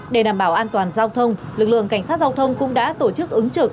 để đảm bảo an toàn giao thông lực lượng cảnh sát giao thông cũng đã tổ chức ứng trực